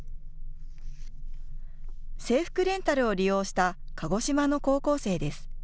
制服レンタルを利用した鹿児島の高校生です。